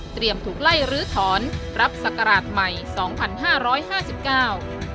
ถูกไล่รื้อถอนรับศักราชใหม่สองพันห้าร้อยห้าสิบเก้า